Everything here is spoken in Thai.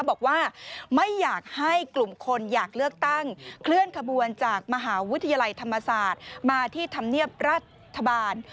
บอกว่าไม่อยากให้กลุ่มคนอยากเลือกตั้งเคลื่อนขบวนจากมหาวิทยาลัยธรรมศาสตร์มาที่ธรรมเนียบรัฐบาล